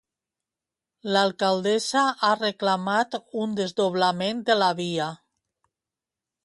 L'alcaldessa ha reclamat un desdoblament de la via.